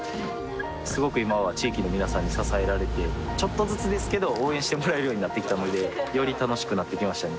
すごく今は地域の皆さんに支えられてちょっとずつですけど応援してもらえるようになってきたのでより楽しくなってきましたね